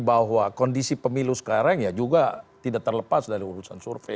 bahwa kondisi pemilu sekarang ya juga tidak terlepas dari urusan survei